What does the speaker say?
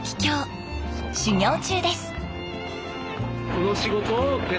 修業中です。